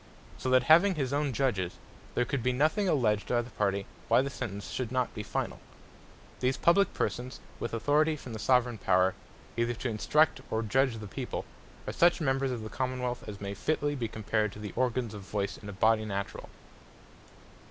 So that having his own Judges, there could be nothing alledged by the party, why the sentence should not be finall, These publique persons, with Authority from the Soveraign Power, either to Instruct, or Judge the people, are such members of the Common wealth, as may fitly be compared to the organs of Voice in a Body naturall.